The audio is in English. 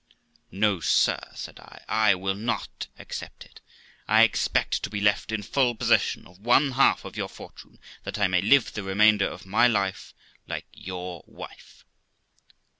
No, sir', said I, 'I will not accept it. I expect to be left m full possession of one half of your fortune, that I may live the remainder of my life like your wife.'